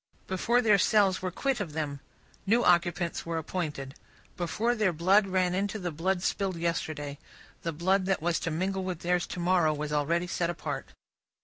Before their cells were quit of them, new occupants were appointed; before their blood ran into the blood spilled yesterday, the blood that was to mingle with theirs to morrow was already set apart.